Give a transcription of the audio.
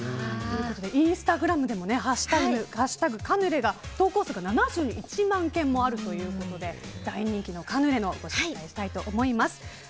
インスタグラムでも「＃カヌレ」が投稿数７１万件もあって大人気のカヌレをご紹介したいと思います。